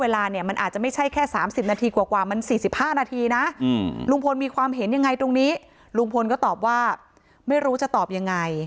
ลุงพลก็ตอบว่าไม่รู้จะตอบยังไง